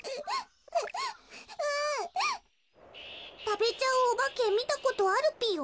たべちゃうおばけみたことあるぴよ？